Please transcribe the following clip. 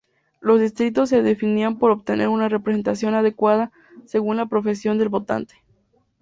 Los distritos se definían para obtener una representación adecuada según la profesión del votante.